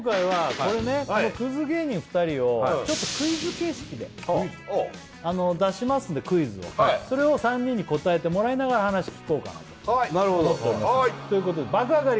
このクズ芸人２人をちょっとクイズ形式で出しますんでクイズをそれを３人に答えてもらいながら話聞こうかなとはいはいなるほどということで爆上がり